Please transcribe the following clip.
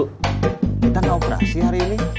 kita nggak operasi hari ini